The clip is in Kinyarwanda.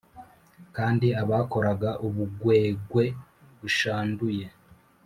Kandi abakoraga ubugwegwe bushanduye